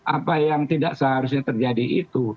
apa yang tidak seharusnya terjadi itu